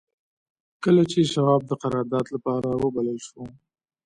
کله چې شواب د قرارداد لپاره وبلل شو.